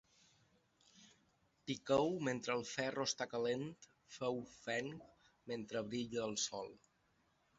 Piqueu mentre el ferro està calent Feu fenc mentre brilla el sol.